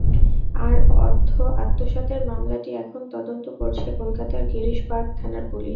তাঁর অর্থ আত্মসাতের মামলাটি এখন তদন্ত করছে কলকাতার গিরিশ পার্ক থানার পুলিশ।